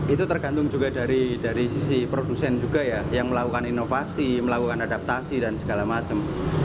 itu tergantung juga dari sisi produsen juga ya yang melakukan inovasi melakukan adaptasi dan segala macam